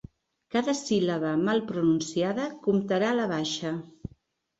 Cada síl·laba mal pronunciada comptarà a la baixa.